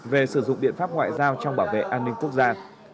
về sử dụng biện pháp ngoại giao trong bảo vệ an ninh quốc gia